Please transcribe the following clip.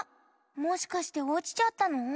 もしかしておちちゃったの？